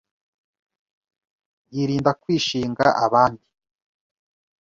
yirinda kwishinga abandi